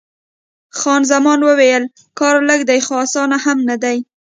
خان زمان وویل: کار لږ دی، خو اسان هم نه دی.